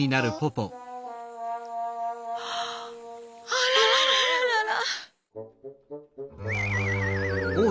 あらららららら。